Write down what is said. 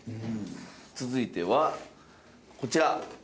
続いてはこちら。